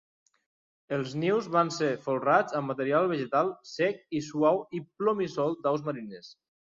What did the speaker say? Els nius van ser folrats amb material vegetal sec i suau i plomissol d'aus marines.